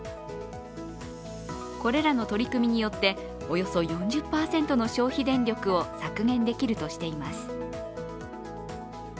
これらの取り組みによっておよそ４０％の消費電力を削減できるとしています。